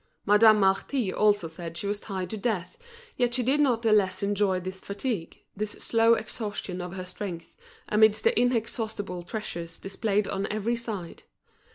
Madame Marty also said she was tired to death, yet she did not the less enjoy this fatigue, this slow exhaustion of her strength, amidst the inexhaustible treasures displayed on every side.